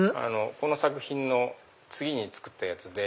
この作品の次に作ったやつで。